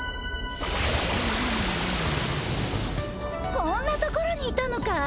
こんなところにいたのかい？